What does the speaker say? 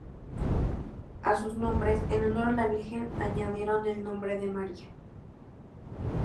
A sus nombres, en honor a la Virgen, añadieron el nombre de María.